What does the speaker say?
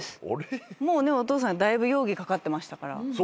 もうねお父さんだいぶ容疑かかってましたから。